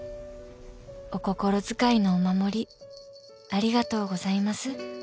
「お心遣いのお守り」「ありがとうございます」